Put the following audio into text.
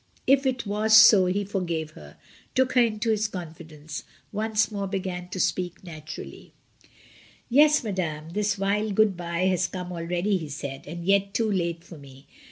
If it was so he forgave her, took her into his confidence, once more began to speak naturally. 134 MRS. DYMOND. "Yes, madame, this vile good bye has come al ready," he said, "and yet too late for me.